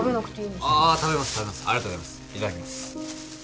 いただきます。